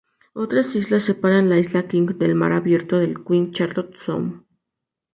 Otras islas separan la isla King del mar abierto del Queen Charlotte Sound.